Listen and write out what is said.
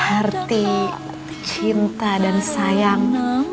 arti cinta dan sayang